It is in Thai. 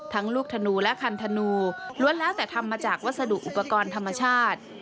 ลูกธนูและคันธนูล้วนแล้วแต่ทำมาจากวัสดุอุปกรณ์ธรรมชาติ